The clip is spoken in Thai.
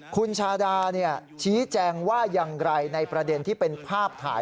คุณชาดาชี้แจงว่าอย่างไรในประเด็นที่เป็นภาพถ่าย